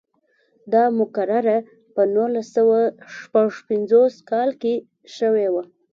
دا مقرره په نولس سوه شپږ پنځوس کال کې نوې شوه.